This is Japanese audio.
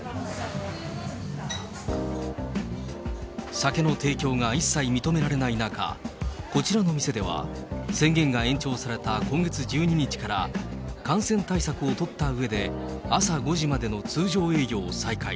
酒の提供が一切認められない中、こちらのお店では、宣言が延長された今月１２日から、感染対策を取ったうえで、朝５時までの通常営業を再開。